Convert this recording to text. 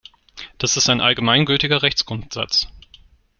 Das ist ein allgemeingültiger Rechtsgrundsatz.